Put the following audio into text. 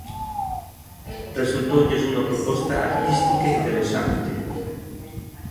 Resultoulles unha proposta artística interesante.